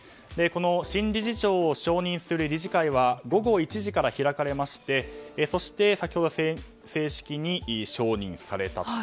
新理事長を承認する理事会は午後１時から開かれましてそして先ほど正式に承認されたと。